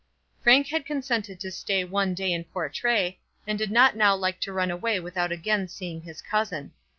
Frank had consented to stay one day at Portray, and did not now like to run away without again seeing his cousin.